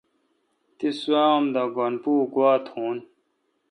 تی سوا اوم د گن پو گوا تھون؟